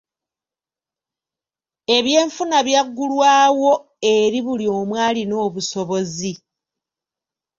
Ebyenfuna byaggulwawo eri buli omu alina obusobozi.